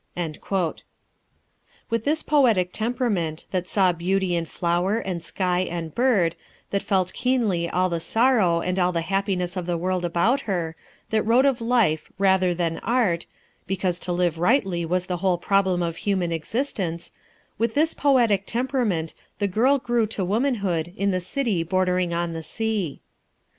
With this poetic temperament, that saw beauty in flower, and sky, and bird, that felt keenly all the sorrow and all the happiness of the world about her, that wrote of life rather than art, because to live rightly was the whole problem of human existence, with this poetic temperament, the girl grew to womanhood in the city bordering on the sea.